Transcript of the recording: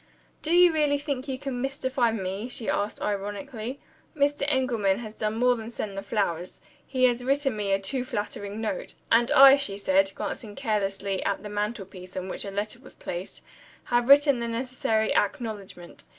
"Do you really think you can mystify me?" she asked ironically. "Mr. Engelman has done more than send the flowers he has written me a too flattering note. And I," she said, glancing carelessly at the mantelpiece, on which a letter was placed, "have written the necessary acknowledgment.